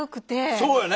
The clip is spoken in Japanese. そうよね。